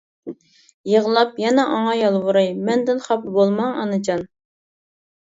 يىغلاپ يەنە ئاڭا يالۋۇراي، مەندىن خاپا بولماڭ ئانىجان.